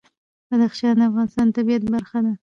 بدخشان د افغانستان د طبیعت برخه ده.